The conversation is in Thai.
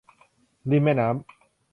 ริมแม่น้ำ